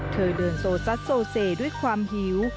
เธอเดินโซซัดโซเซด้วยความหิว